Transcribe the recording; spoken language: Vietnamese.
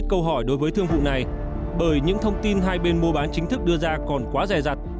câu hỏi đối với thương vụ này bởi những thông tin hai bên mua bán chính thức đưa ra còn quá rè rặt